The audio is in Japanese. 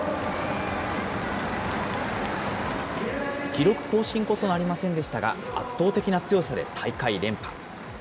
記録更新こそなりませんでしたが、圧倒的な強さで大会連覇。